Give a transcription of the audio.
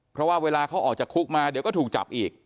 เพราะว่าเวลาเขาออกจากคุกมาเดี๋ยวก็ถูกจับอีก